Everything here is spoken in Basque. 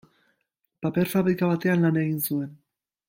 Paper-fabrika batean lan egin zuen.